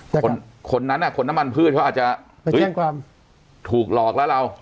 คนคนนั้นอ่ะคนน้ำมันพืชเขาอาจจะแจ้งความถูกหลอกแล้วเรา